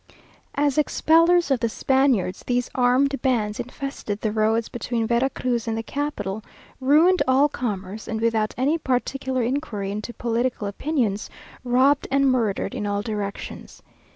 As expellers of the Spaniards, these armed bands infested the roads between Vera Cruz and the capital, ruined all commerce, and without any particular inquiry into political opinions, robbed and murdered in all directions.